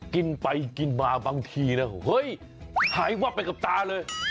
กินไปกินมาบางทีนะเฮ้ยหายวับไปกับตาเลย